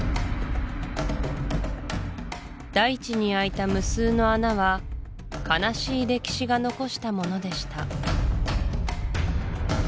大地に開いた無数の穴は悲しい歴史が残したものでした